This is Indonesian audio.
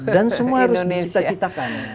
dan semua harus dicita citakan